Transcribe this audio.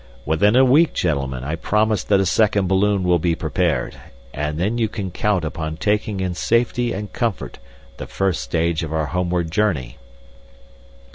Within a week, gentlemen, I promise that a second balloon will be prepared, and that you can count upon taking in safety and comfort the first stage of our homeward journey."